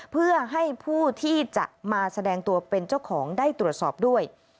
เพื่อให้ผู้ที่จะมาแสดงตัวเป็นเจ้าของได้ตรวจสอบด้วย